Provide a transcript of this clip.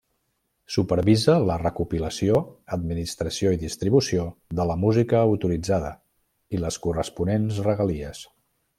Supervisa la recopilació, administració i distribució de la música autoritzada i les corresponents regalies.